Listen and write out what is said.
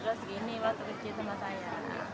terus gini waktu kecil sama saya